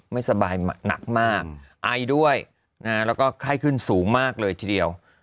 ไม่สบายหนักมากไอด้วยแล้วก็ไข้ขึ้นสูงมากเลยทีเดียว